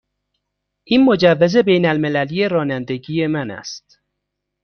این مجوز بین المللی رانندگی من است.